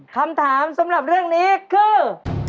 คำถามสำหรับเรื่องนี้คือ